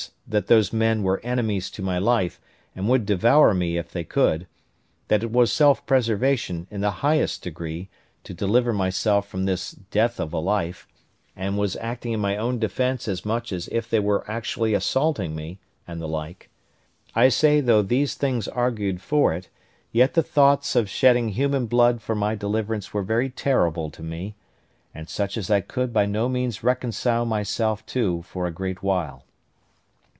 that those men were enemies to my life, and would devour me if they could; that it was self preservation, in the highest degree, to deliver myself from this death of a life, and was acting in my own defence as much as if they were actually assaulting me, and the like; I say though these things argued for it, yet the thoughts of shedding human blood for my deliverance were very terrible to me, and such as I could by no means reconcile myself to for a great while.